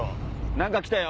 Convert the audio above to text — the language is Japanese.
何か来たよ！